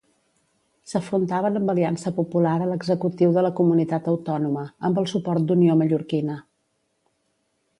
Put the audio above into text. S'afrontaven amb Aliança Popular a l'executiu de la comunitat autònoma, amb el suport d'Unió Mallorquina.